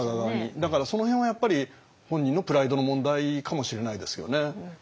だからその辺はやっぱり本人のプライドの問題かもしれないですよね。